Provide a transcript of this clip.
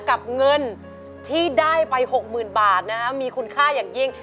กับเงินที่ได้ไปหกหมื่นบาทนะครับมีคุณค่าอย่างยิ่ง